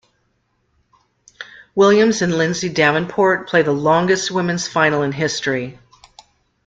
Williams and Lindsay Davenport played the longest women's final in history.